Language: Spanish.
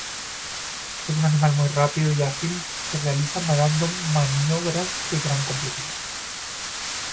Es un animal muy rápido y ágil que realiza nadando maniobras de gran complejidad.